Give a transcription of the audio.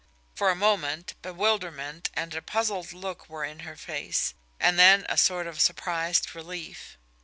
For a moment bewilderment and a puzzled look were in her face and then a sort of surprised relief.